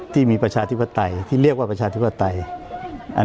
ประชาธิปไตยที่เรียกว่าประชาธิปไตย